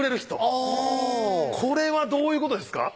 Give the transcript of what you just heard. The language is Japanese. あぁこれはどういうことですか？